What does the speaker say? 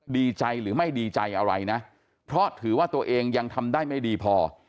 ดีใจหรือไม่ดีใจอะไรนะเพราะถือว่าตัวเองยังทำได้ไม่ดีพอ